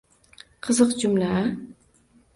Qiziq jumla a?